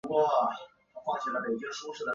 奇莱青木香为菊科青木香属下的一个种。